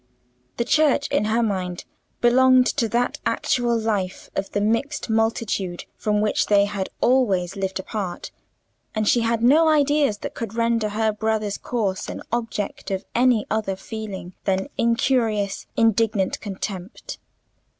The Church, in her mind, belonged to that actual life of the mixed multitude from which they had always lived apart, and she had no ideas that could render her brother's course an object of any other feeling than incurious, indignant contempt.